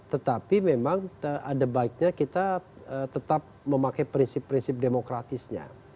tetapi memang ada baiknya kita tetap memakai prinsip prinsip demokratisnya